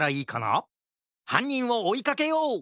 はんにんをおいかけよう！